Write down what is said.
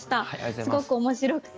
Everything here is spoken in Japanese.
すごく面白くて。